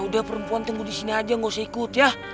udah perempuan tunggu di sini aja nggak usah ikut ya